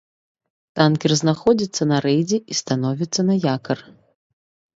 Танкер знаходзіцца на рэйдзе і становіцца на якар.